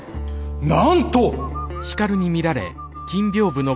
なんと！